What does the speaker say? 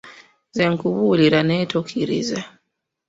Nze nkubuulira naye tokkiriza.